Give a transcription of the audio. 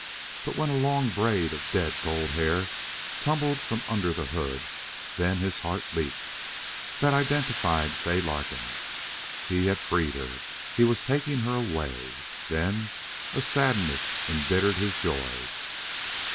But when a long braid of dead gold hair tumbled from under the hood, then his heart leaped. That identified Fay Larkin. He had freed her. He was taking her away. Then a sadness embittered his joy.